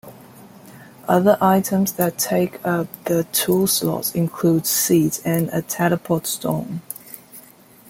Other items that take up the tool slots include seeds and a teleport stone.